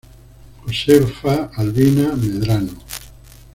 Josefa Albina Medrano.